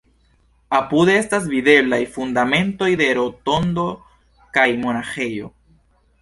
Apude estas videblaj fundamentoj de rotondo kaj monaĥejo.